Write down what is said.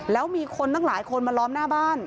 แล้วมีคนตั้งหลายคนมาล้อมหน้าบ้าน